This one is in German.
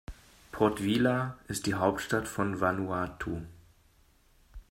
Port Vila ist die Hauptstadt von Vanuatu.